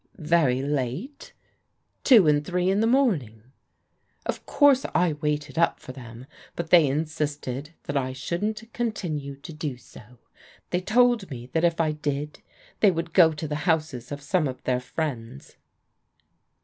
" "Very late. Two and three in the morning. Of course I waited up for them, but they insisted that I shouldn't continue to do so. They told me that if I did, they would go to the houses of some of their friends."